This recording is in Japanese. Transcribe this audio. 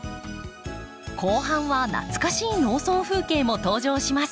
後半は懐かしい農村風景も登場します。